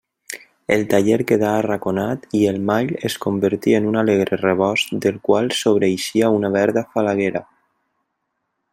El taller quedà arraconat i el mall es convertí en un alegre rebost del qual sobreeixia una verda falaguera.